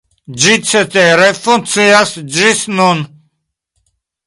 Ĝi cetere funkcias ĝis nun.